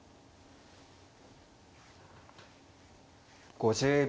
５０秒。